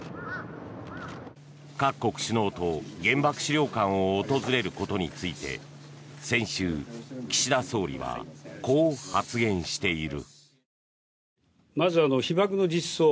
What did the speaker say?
各国首脳と原爆資料館を訪れることについて先週、岸田総理はこう発言している。